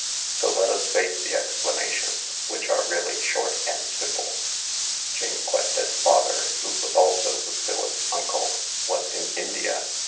So let us face the explanations, which are really short and simple. Jane Quested's father, who was also Lucilla 's uncle, was in India.